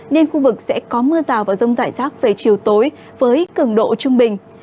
nên khu vực sẽ có mưa rào và rông rải rác về chiều tối với cường độ trung bình